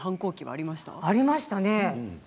ありましたね。